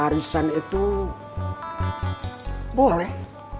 arisan itu boleh